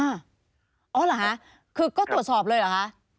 อ๋อเหรอคะคือก็ตรวจสอบเลยเหรอคะ